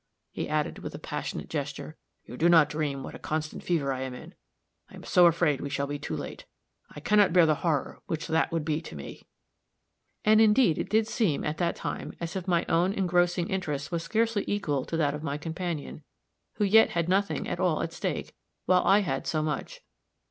he added, with a passionate gesture, "you do not dream what a constant fever I am in I am so afraid we shall be too late. I can not bear the horror which that would be to me." And indeed it did seem, at that time, as if my own engrossing interest was scarcely equal to that of my companion, who yet had nothing at all at stake, while I had so much.